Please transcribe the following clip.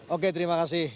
oke terima kasih